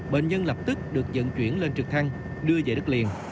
bệnh nhân lập tức được dẫn chuyển lên trực thăng đưa về đất liền